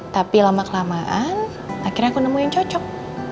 tapi lama kelamaan akhirnya aku nemu yang cocok